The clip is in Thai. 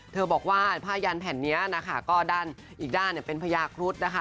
เธอบอกว่าภาญานแผ่นนี้นะคะก็ด้านอีกด้านเป็นพญาครุฑนะคะ